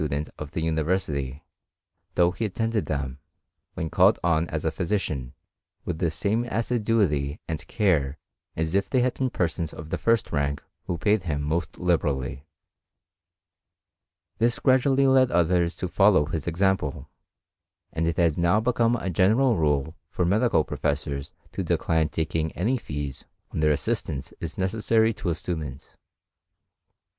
311 dent of the uniyersity, though he attended them, when (^led on as a physician, with the same assiduity and care as if they had been persons of the first rank who paid him most liberally. This gradually led others to follow his example ; and it has now become a general rule for medical professors to decline taking any fees when their assistance is necessary to a student.